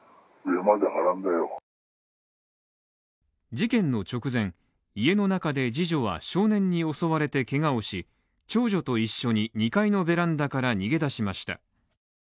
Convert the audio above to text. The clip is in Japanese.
事件の直前、家の中で次女は少年に襲われてけがをし、長女と一緒に２階のベランダから逃げ出しました。